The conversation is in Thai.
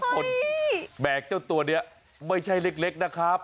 แบกเจ้าตัวนี้ไม่ใช่เล็กนะครับ